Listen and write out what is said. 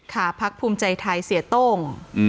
ค่ะพรรคภูมิใจไทยเสียต้ง